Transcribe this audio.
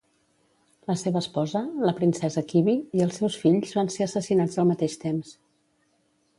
La seva esposa, la princesa Kibi, i els seus fills van ser assassinats al mateix temps.